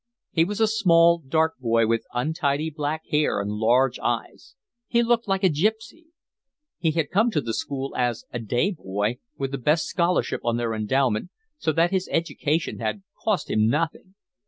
He was a small, dark boy, with untidy black hair and large eyes. He looked like a gipsy. He had come to the school as a day boy, with the best scholarship on their endowment, so that his education had cost him nothing.